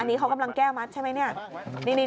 อันนี้เขากำลังแก้มัดใช่ไหมเนี่ย